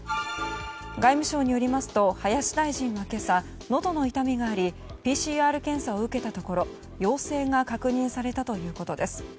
外務省によると林大臣は今朝のどの痛みがありＰＣＲ検査を受けたところ陽性が確認されたということです。